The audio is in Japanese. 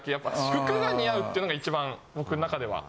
服が似合うっていうのが一番僕の中では。